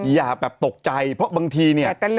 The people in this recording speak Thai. อย่าแบบตกใจเพราะบางทีเนี่ย